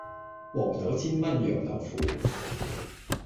黃豆煎燜釀豆腐